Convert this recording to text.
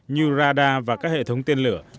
như radar và các hệ thống tiên lửa